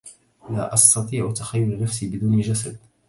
لا أستطيع تخيل نفسي بدون جسد.